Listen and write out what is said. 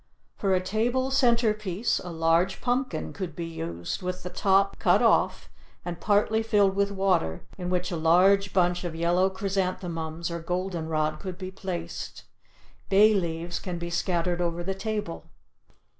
For a table center piece a large pumpkin could be used with the top cut off and partly filled with water in which a large bunch of yellow chrysanthemums or golden rod could be placed. Bay leaves can be scattered over the table.